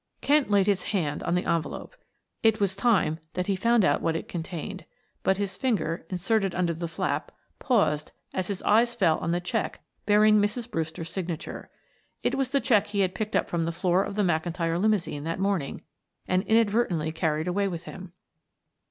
Kent laid his hand on the envelope. It was time that he found out what it contained; but his finger, inserted under the flap, paused as his eyes fell on the check bearing Mrs. Brewster's signature. It was the check he had picked up from the floor of the McIntyre limousine that morning and inadvertently carried away with him.